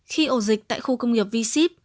khi ổ dịch tại khu công nghiệp v sip